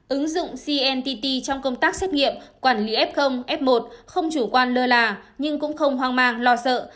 ứng dụng cnt trong công tác xét nghiệm quản lý f f một không chủ quan lơ là nhưng cũng không hoang mang lo sợ